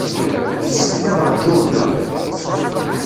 Yessefk ad ṛjuɣ da.